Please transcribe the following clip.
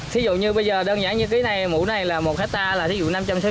thí dụ như bây giờ đơn giản như cái này mủ này là một hectare là thí dụ năm trăm sáu mươi cây